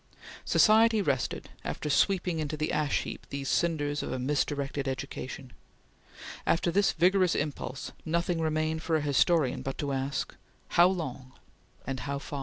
Society rested, after sweeping into the ash heap these cinders of a misdirected education. After this vigorous impulse, nothing remained for a historian but to ask how long and how far!